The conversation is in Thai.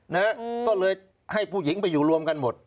นะฮะก็เลยให้ผู้หญิงไปอยู่รวมกันหมด